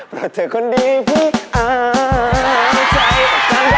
ปลอดเถอะคนดีให้พี่เอาใจ